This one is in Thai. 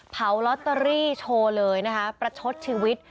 ลอตเตอรี่โชว์เลยนะคะประชดชีวิต